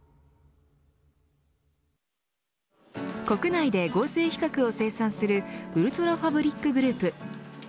国内で合成皮革を生産するウルトラファブリックグループ。